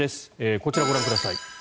こちら、ご覧ください。